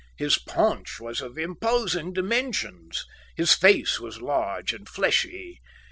His paunch was of imposing dimensions. His face was large and fleshy.